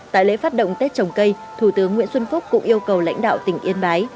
tại lễ phát động tết trồng cây thủ tướng nguyễn xuân phúc cũng yêu cầu lãnh đạo tỉnh yên bái